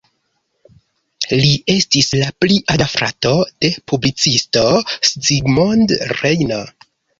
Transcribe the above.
Li estis la pli aĝa frato de publicisto Zsigmond Reiner.